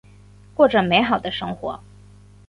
过着美好的生活。